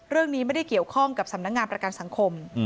เรื่องนี้ไม่ได้เกี่ยวข้องกับสำนักงานประกันสังคม